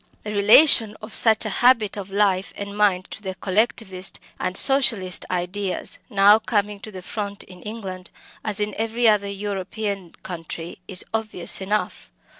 The relation of such a habit of life and mind to the Collectivist and Socialist ideas now coming to the front in England, as in every other European country, is obvious enough.